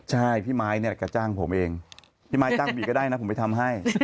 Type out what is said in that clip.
ใช่พี่ไม้เนี่ยก็จ้างผมเองพี่ไม้จ้างบีก็ได้นะผมไปทำให้